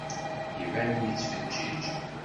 Iban-d yettfeǧǧiǧ.